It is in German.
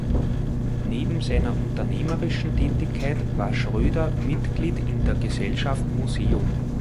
Neben seiner unternehmerischen Tätigkeiten war Schröder Mitglied in der Gesellschaft Museum.